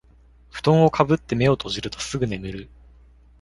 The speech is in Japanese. ふとんをかぶって目を閉じるとすぐ眠る